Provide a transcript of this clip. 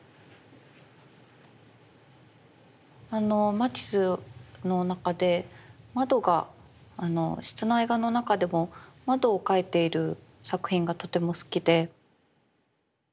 マティスの中で窓が室内画の中でも窓を描いている作品がとても好きで。